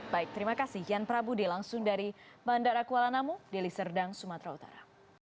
baik terima kasih ian prabudi langsung dari bandara kuala namu di liserdang sumatera utara